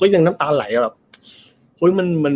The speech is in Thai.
ก็ยังน้ำตาไหล